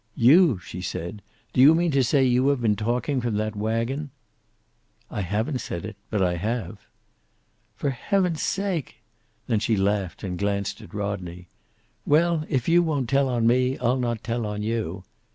"You!" she said. "Do you mean to say you have been talking from that wagon?" "I haven't said it. But I have." "For heaven's sake!" Then she laughed and glanced at Rodney. "Well, if you won't tell on me, I'll not tell on you."